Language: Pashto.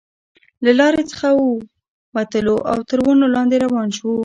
له لارې څخه وو وتلو او تر ونو لاندې روان شوو.